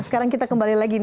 sekarang kita kembali lagi